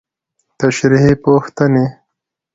تشريحي پوښتنې: